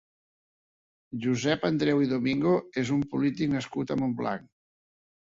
Josep Andreu i Domingo és un polític nascut a Montblanc.